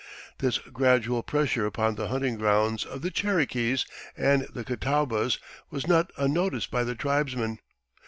This gradual pressure upon the hunting grounds of the Cherokees and the Catawbas was not unnoticed by the tribesmen.